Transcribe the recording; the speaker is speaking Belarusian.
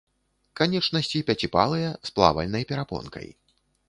Канечнасці пяціпальцыя, з плавальнай перапонкай.